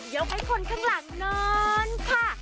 ให้คนข้างหลังนอนค่ะ